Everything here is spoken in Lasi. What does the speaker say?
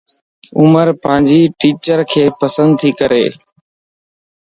عمبر پانجي ٽيچرک پسنڌ تي ڪري